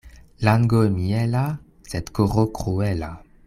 Lango miela, sed koro kruela.